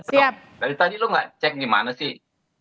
lo dari tadi lo gak cek gimana sih